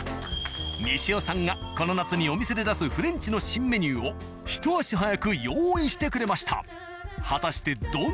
西尾さんがこの夏にお店で出すフレンチの新メニューをひと足早く用意してくれました。